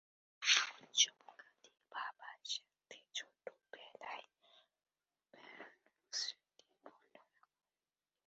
তিনি উৎসবকালে বাবার সাথে ছোটবেলায় বেরোনোর স্মৃতি বর্ণনা করেন।